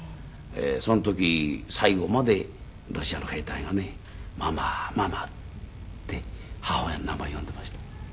その時最後までロシアの兵隊がね「ママママ」って母親の名前呼んでいました。